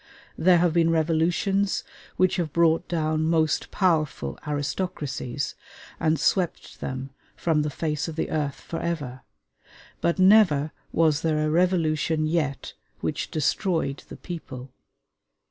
There have been revolutions which have brought down most powerful aristocracies, and swept them from the face of the earth forever, but never was there a revolution yet which destroyed the people.